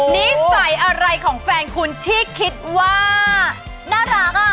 นิสัยอะไรของแฟนคุณที่คิดว่าน่ารักอ่ะ